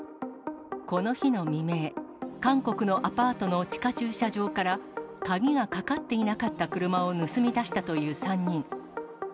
この日の未明、韓国のアパートの地下駐車場から、鍵がかかっていなかった車を盗み出したという３人。